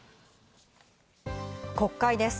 国会です。